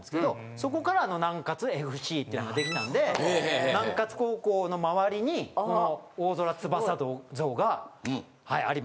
そこからあの南ＳＣっていうのができたので南高校の周りにこの大空翼像があります。